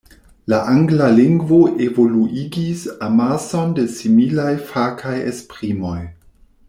La angla lingvo evoluigis amason da similaj fakaj esprimoj.